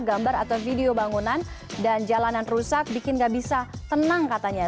gambar atau video bangunan dan jalanan rusak bikin gak bisa tenang katanya